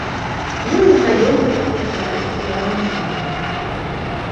Ну і знаёмы фікус пераехаў разам з партыяй.